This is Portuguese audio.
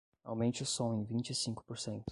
Aumente o som em vinte e cinco porcento.